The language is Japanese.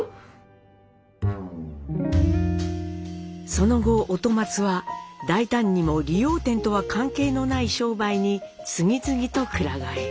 その後音松は大胆にも理容店とは関係のない商売に次々とくら替え。